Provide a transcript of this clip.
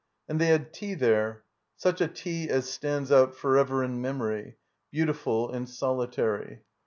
And they had tea there, such a tea as stands out forever in memory, beauti ftd and solitary.